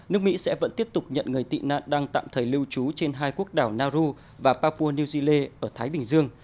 nước mỹ sẽ vẫn tiếp tục nhận người tị nạn đang tạm thời lưu trú trên hai quốc đảo nau và papua new zeallet ở thái bình dương